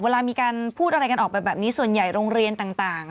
เวลามีการพูดอะไรกันออกไปแบบนี้ส่วนใหญ่โรงเรียนต่าง